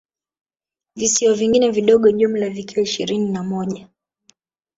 Visiwa vingine vidogo jumla vikiwa ishirini na moja